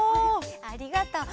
ありがとう。